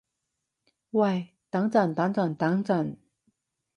喂等陣等陣等陣